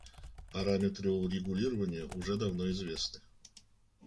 Параметры урегулирования уже давно известны.